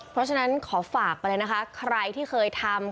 เพราะฉะนั้นขอฝากไปเลยนะคะใครที่เคยทำ